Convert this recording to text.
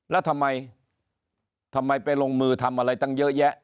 แล้วทำไมทำไมไปลงมือทำอะไรตั้งเยอะแยะ